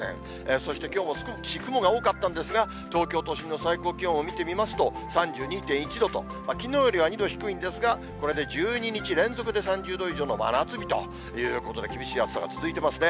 そしてきょうも少し雲が多かったんですが、東京都心の最高気温を見てみますと、３２．１度と、きのうよりは２度低いんですが、これで１２日連続で３０度以上の真夏日ということで、厳しい暑さが続いてますね。